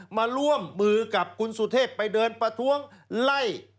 มาร่วมมือกับคุณสุเทพไปเดินประท้วงไล่